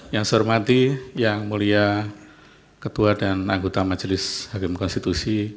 yang saya hormati yang mulia ketua dan anggota majelis hakim konstitusi